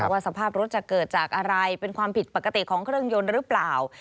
ว่าสภาพรถจะเกิดจากอะไรเป็นความผิดปกติของเครื่องยนต์หรือเปล่า